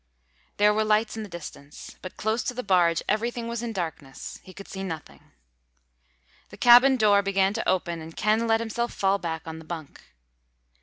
There were lights in the distance. But close to the barge everything was in darkness. He could see nothing. The cabin door began to open and Ken let himself fall back on the bunk.